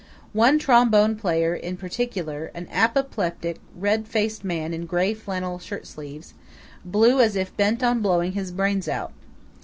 One trombone player, in particular, an apoplectic red faced man in grey flannel shirtsleeves, blew as if bent on blowing his brains out.